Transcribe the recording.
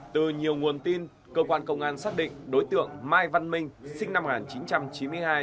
từ nhiều nguồn tin cơ quan công an xác định đối tượng mai văn minh sinh năm một nghìn chín trăm chín mươi hai